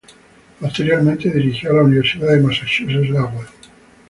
Posteriormente dirigió a la Universidad de Massachusetts Lowell.